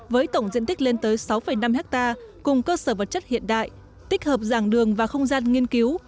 với tổng diện tích lên tới sáu năm hectare cùng cơ sở vật chất hiện đại tích hợp giảng đường và không gian nghiên cứu